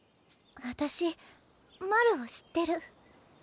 私マルを知ってる。